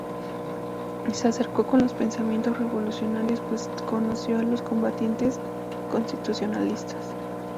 Se acercó con los pensamientos revolucionarios pues conoció a los combatientes constitucionalistas.